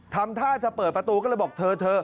ทำท่าจะเปิดประตูก็เลยบอกเธอ